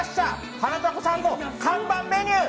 花たこさんの看板メニュー！